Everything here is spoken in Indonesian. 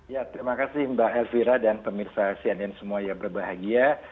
ya terima kasih mbak elvira dan pemirsa cnn semua yang berbahagia